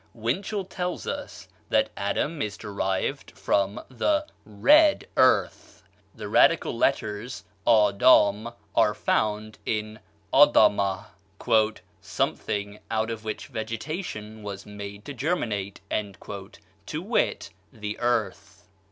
Winchell tells us that Adam is derived from the red earth. The radical letters ÂDâM are found in ADaMaH, "something out of which vegetation was made to germinate," to wit, the earth.